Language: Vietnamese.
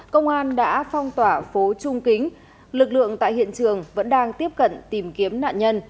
công an đã phong tỏa phố trung kính lực lượng tại hiện trường vẫn đang tiếp cận tìm kiếm nạn nhân